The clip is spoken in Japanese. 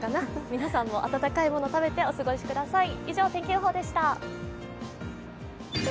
皆さんも、温かいもの食べてお過ごしください。